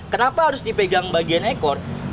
kenapa harus dipegang bagian ekor